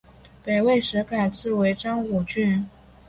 北魏时改置为章武郡。